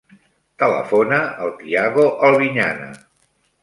Telefona al Thiago Albiñana.